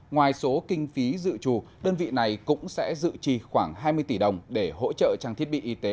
ngoài số kinh phí dự trù đơn vị này cũng sẽ dự trì khoảng hai mươi tỷ đồng để hỗ trợ trang thiết bị y tế